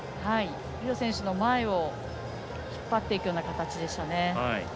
李露選手の前を引っ張っていくような形でした。